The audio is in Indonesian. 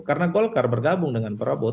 karena golkar bergabung dengan prabowo